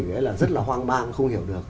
thì là rất là hoang mang không hiểu được